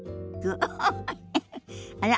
あら？